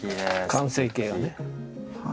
完成形がね。